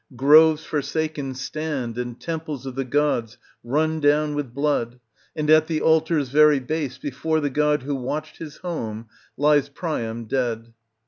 Groves forsaken stand and temples of the gods run down with blood, and at the altar's very base, before the god who watched his home, lies Priam dead.